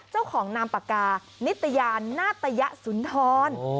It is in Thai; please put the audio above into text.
เจ้าของนามปากกานิตยานนาตยสุนทร